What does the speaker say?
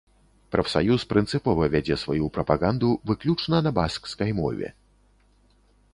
Прафсаюз прынцыпова вядзе сваю прапаганду выключна на баскскай мове.